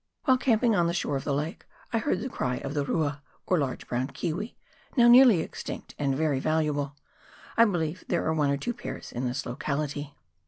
While camping on the shore of this lake, I heard the cry of the rua, or large brown kiwi, now nearly extinct and very valuable ; I believe there are one or two pairs in this locality.